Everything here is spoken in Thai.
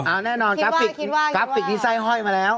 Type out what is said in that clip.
อ่าแน่นอนกราฟิกที่ใส่ห้อยมาแล้ว